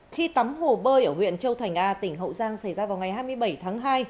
khi tắm hồ bơi ở huyện châu thành a tỉnh hậu giang xảy ra vào ngày hai mươi bảy tháng hai